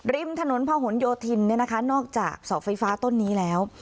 ริมถนนพะหนโยธินนอกจากเสาไฟฟ้าต้นนี้แล้ว